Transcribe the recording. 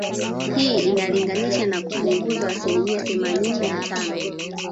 Hii inalingana na kupunguzwa asilimia themanini na tano